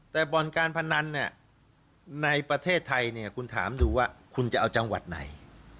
แต่บ่อนการพนันในประเทศไทยเนี่ยคุณถามดูว่าคุณจะเอาจังหวัดไหน